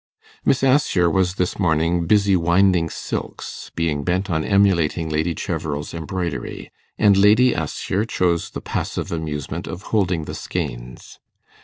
Miss Assher was this morning busy winding silks, being bent on emulating Lady Cheverel's embroidery, and Lady Assher chose the passive amusement of holding the skeins.